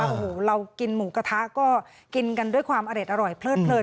โอ้โหเรากินหมูกระทะก็กินกันด้วยความอร่อยเพลิดเลิน